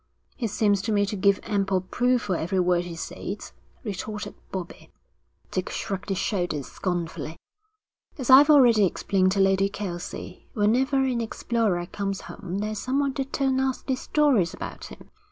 'He seems to me to give ample proof for every word he says,' retorted Bobbie. Dick shrugged his shoulders scornfully. 'As I've already explained to Lady Kelsey, whenever an explorer comes home there's someone to tell nasty stories about him.